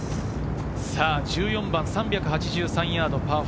１４番３８３ヤード、パー４。